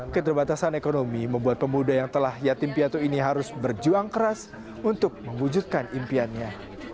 keterbatasan ekonomi membuat pemuda yang telah yatim piatu ini harus berjuang keras untuk mewujudkan impiannya